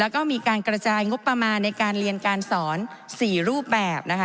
แล้วก็มีการกระจายงบประมาณในการเรียนการสอน๔รูปแบบนะคะ